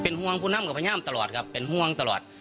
ห่วงผู้นำก็พยายามตลอดครับเป็นห่วงตลอด